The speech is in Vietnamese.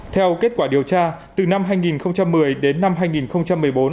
theo kết quả điều tra từ năm hai nghìn một mươi đến năm hai nghìn một mươi bốn